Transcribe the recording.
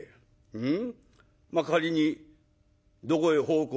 うん。